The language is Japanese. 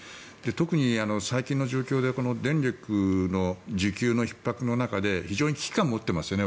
特に最近の状況で電力の需給のひっ迫の中で非常に危機感を持っていますよね